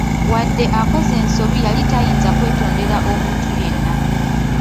Wadde akoze ensobi yali tayinza kwetondera omuntu yenna!